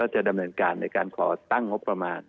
จะดำเนินการในการขอตั้งงบประมาณ